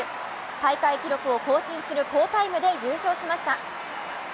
大会記録を更新する好タイムで優勝しました。